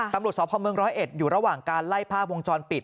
ตำรวจสภาพเมือง๑๐๑อยู่ระหว่างการไล่ภาพวงจรปิด